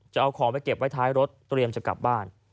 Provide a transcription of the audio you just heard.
จะเอาของไปเก็บไว้ท้ายรถเตรียมจะกลับบ้าน